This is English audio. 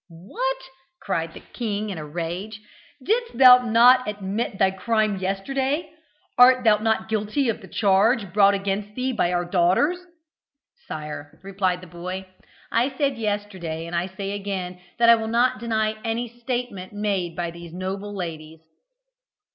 "What?" cried the king in a rage. "Didst thou not admit thy crime yesterday? Art thou not guilty of the charge brought against thee by our daughters?" "Sire," replied the boy, "I said yesterday, and I say again, that I will not deny any statement made by these noble ladies."